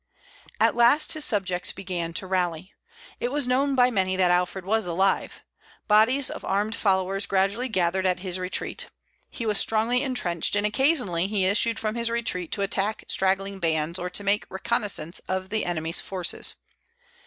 At last his subjects began to rally. It was known by many that Alfred was alive. Bodies of armed followers gradually gathered at his retreat. He was strongly intrenched; and occasionally he issued from his retreat to attack straggling bands, or to make reconnoissance of the enemy's forces.